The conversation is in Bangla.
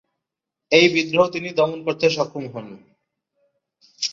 এই বিদ্রোহ তিনি দমন করতে সক্ষম হন।